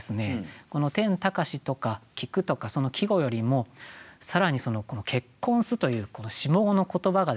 この「天高し」とか「菊」とかその季語よりも更にこの「結婚す」というこの下五の言葉がですね